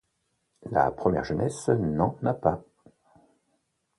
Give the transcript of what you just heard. La première jeunesse n'en a pas.